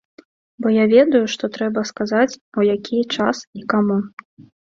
Бо я ведаю, што трэба сказаць, у які час і каму.